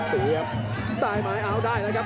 เสียบใต้หมายอาวุธได้แล้วครับ